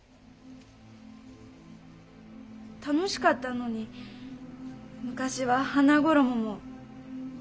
楽しかったのに昔は花ごろもも。